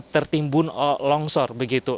tertimbun longsor begitu